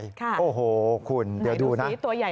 ค่ะดูสีตัวใหญ่ไหมคุณเดี๋ยวดูนะ